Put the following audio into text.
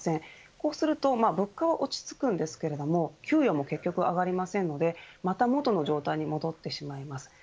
こうすると物価は落ち着きますが給与も結局上がらないのでまた元の状態に戻ってしまいます。